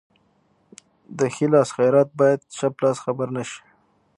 د ښي لاس خیرات باید چپ لاس خبر نشي.